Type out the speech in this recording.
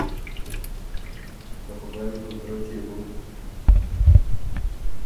ته خدایٛ قدرت يې بُک